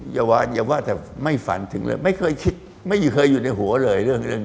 อย่าว่าแต่ไม่ฝันถึงเลยไม่เคยคิดไม่เคยอยู่ในหัวเลยเรื่อง